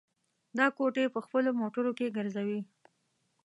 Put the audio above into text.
دا کوټې په خپلو موټرو کې ګرځوي.